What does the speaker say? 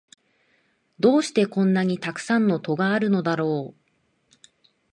どうしてこんなにたくさん戸があるのだろう